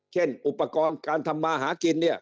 เช่นอุปกรณ์การทำมาหากินเนี่ย